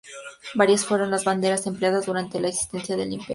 Varias fueron las banderas empleadas durante la existencia del Imperio otomano.